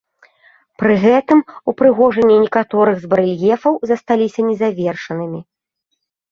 Пры гэтым ўпрыгожанні некаторых з барэльефаў засталіся незавершанымі.